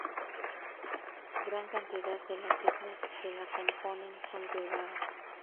Gran cantidad de las islas que la componen son privadas.